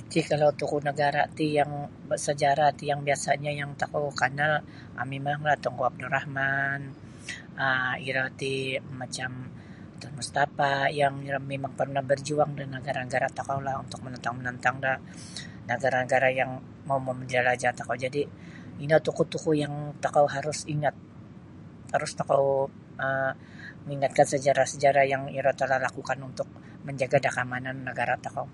Iti kalau tokoh nagara' ti yang bersejarah ti yang biasa'nyo yang tokou kanal um mimanglah Tunku Abdul Rahman um iro ti macam Tun Mustapha yang iro mimang parnah barjuang da nagara'-nagara' tokoulah untuk menentang menentang da nagara''-nagara' yang mau menjelajah tokou. Jadi' ino tokoh-tokoh yang tokou harus ingat harus tokou um ingatkan sejarah-sejarah yang iro telah lakukan untuk manjaga' da kaamanan nagara' tokou.